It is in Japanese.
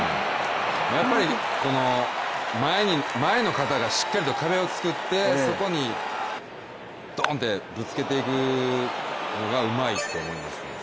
やっぱり前の肩がしっかりと壁を作ってそこにドーンってぶつけていくのがうまいと思います。